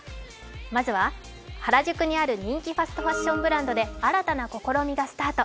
まずは原宿にある人気ファストファッションブランドで新たな試みがスタート。